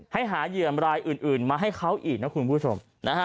หาเหยื่อมรายอื่นมาให้เขาอีกนะคุณผู้ชม